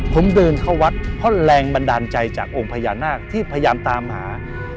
ผมเดินเข้าวัดเพราะแรงบันดาลใจจากองค์พญานาคที่พยายามตามหา